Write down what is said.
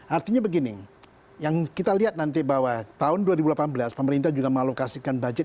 artinya begini yang kita lihat nanti bahwa tahun dua ribu delapan belas pemerintah juga mengalokasikan budget